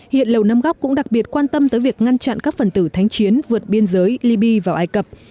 hiện lầu năm góc cũng đặc biệt quan tâm tới việc ngăn chặn các phần tử thánh chiến vượt biên giới liby vào ai cập